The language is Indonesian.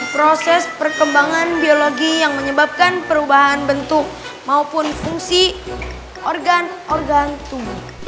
proses perkembangan biologi yang menyebabkan perubahan bentuk maupun fungsi organ organ tubuh